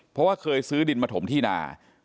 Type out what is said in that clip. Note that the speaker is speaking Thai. เพราะว่าเคยซื้อดินมาถมที่นา